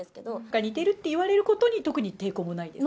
似てるって言われることに、特に抵抗はないですか？